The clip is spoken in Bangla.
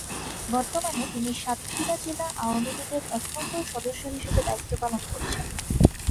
বর্তমানে তিনি সাতক্ষীরা জেলা আওয়ামীলীগের এক নম্বর সদস্য হিসেবে দায়িত্ব পালন করছেন।।